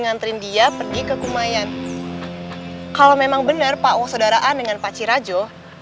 karimau aku mendengar suara harimau